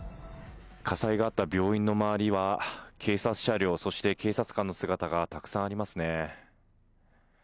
火災があった病院の周りは、警察車両、そして警察官の姿がたくさんありますね。